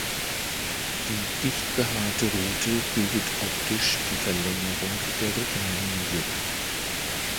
Die dicht behaarte Rute bildet optisch die Verlängerung der Rückenlinie.